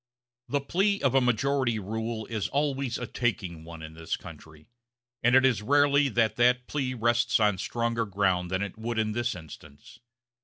The plea of majority rule is always a taking one in this country; and it is rarely that that plea rests on stronger ground than it would in this instance.